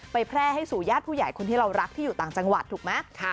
แพร่ให้สู่ญาติผู้ใหญ่คนที่เรารักที่อยู่ต่างจังหวัดถูกไหม